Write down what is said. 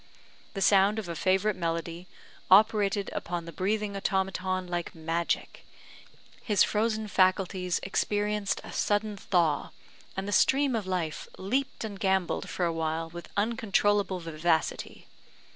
The sound of a favourite melody operated upon the breathing automaton like magic, his frozen faculties experienced a sudden thaw, and the stream of life leaped and gambolled for a while with uncontrollable vivacity.